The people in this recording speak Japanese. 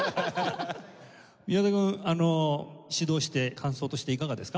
宮田君指導して感想としていかがですか？